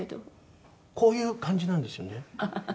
こういう感じなんですよね。